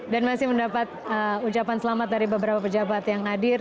dan masih mendapat ucapan selamat dari beberapa pejabat yang hadir